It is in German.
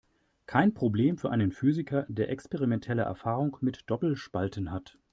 Kein Problem für einen Physiker, der experimentelle Erfahrung mit Doppelspalten hat.